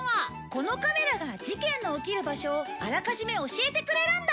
このカメラが事件の起きる場所をあらかじめ教えてくれるんだ